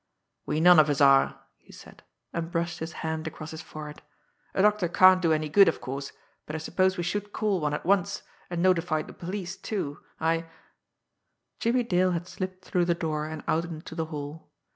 "We none of us are," he said, and brushed his hand across his forehead. "A doctor can't do any good, of course, but I suppose we should call one at once, and notify the police, too. I " Jimmie Dale had slipped through the door and out into the hall.